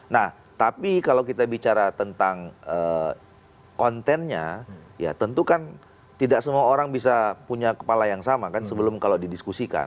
nah tapi kalau kita bicara tentang kontennya ya tentu kan tidak semua orang bisa punya kepala yang sama kan sebelum kalau didiskusikan